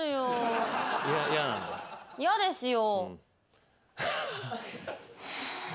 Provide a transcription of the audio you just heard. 嫌ですよ。